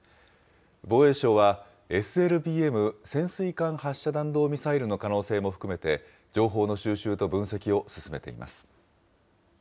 防衛省はＳＬＢＭ・潜水艦発射弾道ミサイルの可能性も含めて、情報の収集と分析を進めています。